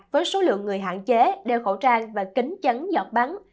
với số lượng người hạn chế đeo khẩu trang và kính chắn giọt bắn